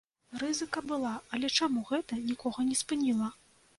Рызыка была, але чаму гэта нікога не спыніла?